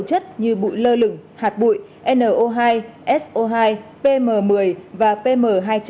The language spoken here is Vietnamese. hạt bụi no hai so hai pm một mươi và pm hai năm